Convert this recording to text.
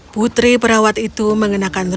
putri perawat itu mengenakan